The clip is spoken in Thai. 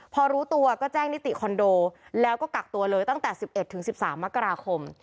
พอรู้ตัวก็แจ้งนิติคอนโดแล้วก็กักตัวเลยตั้งแต่๑๑๑๑๓มกราคม